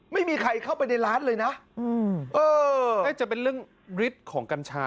ไม่มีใครเข้าไปในร้านเลยนะเออน่าจะเป็นเรื่องฤทธิ์ของกัญชา